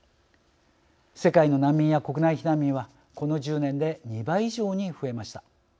世界の難民や国内避難民はこの１０年で２倍以上に増えました。